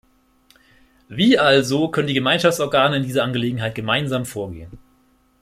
Wie also können die Gemeinschaftsorgane in dieser Angelegenheit gemeinsam vorgehen?